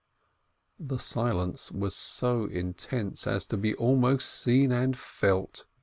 The silence was so intense as to be almost seen and felt.